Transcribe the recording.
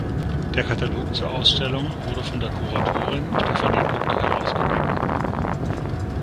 Der Katalog zur Ausstellung wurde von der Kuratorin, Stephanie Buck, herausgegeben.